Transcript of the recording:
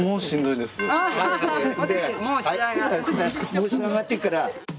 もう仕上がってるから。